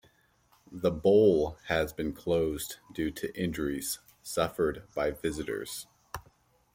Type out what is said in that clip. The Bowl has been closed due to injuries suffered by visitors.